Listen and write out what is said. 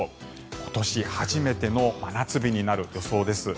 今年初めての真夏日になる予想です。